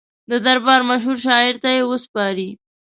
د دربار مشهور شاعر ته یې وسپاري.